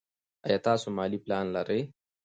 ایا تاسو مالي پلان لرئ.